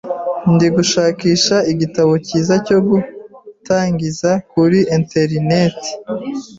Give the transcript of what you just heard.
Ndi gushakisha igitabo cyiza cyo gutangiza kuri interineti.